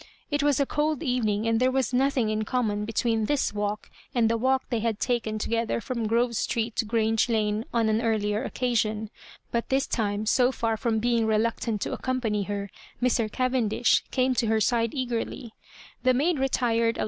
It was a cold evening, fuid there was nothing in common between this walk and the walk they had taken together from Grove Street to Grange Lane on an earUer occasion. But this time^ so for from being reluctant to accompany her, M>. Cavendish came to her side eagerly. The maid retired a Digitized by VjOOQIC 120 loss MABJOBIBAinaS.